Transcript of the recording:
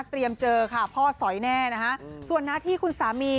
พ่อมองแสนหน้าที่คุณสามี